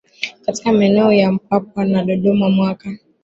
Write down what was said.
katika maeneo ya Mpwapwa na Dodoma mwaka